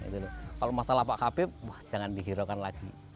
kalau masalah pak habib wah jangan dihiraukan lagi